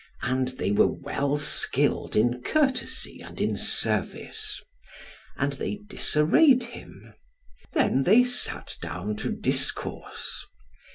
And they were well skilled in courtesy and in service. And they disarrayed him. Then they sat down to discourse.